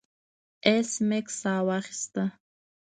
ایس میکس ساه واخیسته